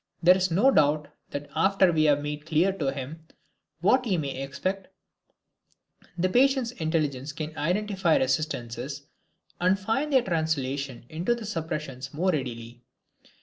There is no doubt that after we have made clear to him what he may expect, the patient's intelligence can identify resistances, and find their translation into the suppressions more readily.